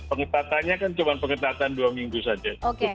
pengetatannya kan cuma pengetatan dua minggu saja